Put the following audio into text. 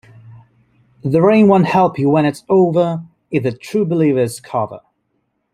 "The Rain Won't Help You When It's Over" is a True Believers cover.